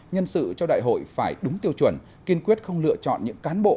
nhân sự cho đại hội phải đúng tiêu chuẩn kiên quyết không lựa chọn những cán bộ